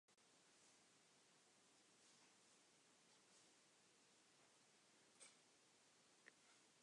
The Greek writings of Philo of Alexandria and Josephus frequently mention this name.